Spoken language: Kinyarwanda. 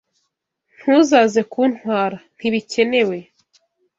Ntuzaze kuntwara. Ntibikenewe.